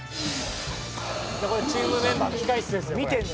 「これチームメンバーの控室ですよこれ」